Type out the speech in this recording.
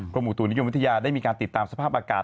อุตุนิยมวิทยาได้มีการติดตามสภาพอากาศ